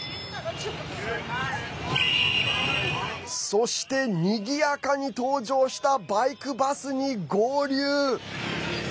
そして、にぎやかに登場したバイクバスに合流。